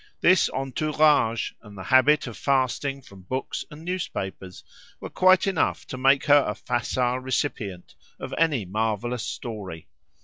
This entourage and the habit of fasting from books and newspapers were quite enough to make her a facile recipient of any marvellous story.